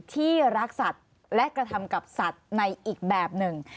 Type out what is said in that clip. ที่รักสัตว์และกระทำกับสัตว์ในอีกแบบหนึ่ง